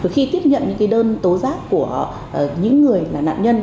khi tiếp nhận những đơn tố giác của những người là nạn nhân